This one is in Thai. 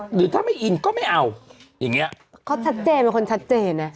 หรือถ้าไม่อินก็ไม่เอาอย่างเงี้ยเขาชัดเจนเป็นคนชัดเจนนะ